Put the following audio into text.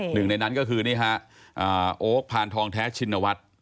หนึ่งในนั้นก็คือนี่ฮะโอ๊คพานทองแท้ชินวัฒน์